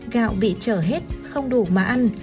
gạo bị trở hết không đủ mà ăn